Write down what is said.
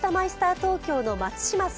東京の松島輝